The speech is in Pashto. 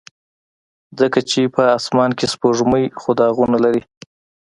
ځکه چې په اسمان کې سپوږمۍ خو داغونه لري.